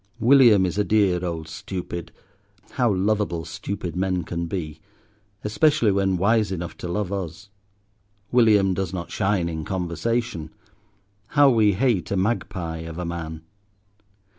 William is a dear old stupid, how lovable stupid men can be—especially when wise enough to love us. William does not shine in conversation; how we hate a magpie of a man.